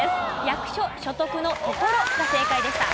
役所所得の「所」が正解でした。